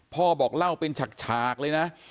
พ่อบอกเล่าเป็นฉากเลยนะ